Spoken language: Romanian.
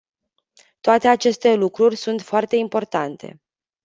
Toate aceste lucruri sunt foarte importante.